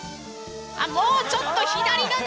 あもうちょっと左だぬん！